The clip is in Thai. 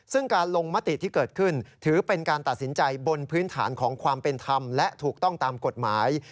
ซึ่งการลงมติที่เกิดขึ้นถือเป็นการตัดสินใจบนพื้นฐานของความเป็นธรรมและถูกต้องตามกฎหมาย